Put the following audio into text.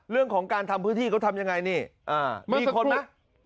เรื่องของการทำพื้นที่เขาทำยังไงนี่มีคนไหม